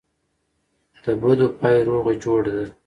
دبدو پای روغه جوړه ده.